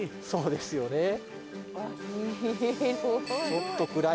そうですよね。